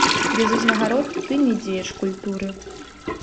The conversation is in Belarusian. Без узнагарод ты не дзеяч культуры.